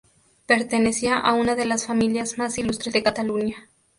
Pertenecía a una de las familias más ilustres de Cataluña.